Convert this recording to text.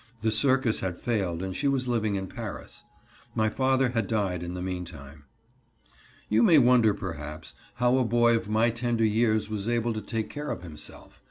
The circus had failed and she was living in Paris. My father had died in the meantime. You may wonder perhaps how a boy of my tender years was able to take care of himself.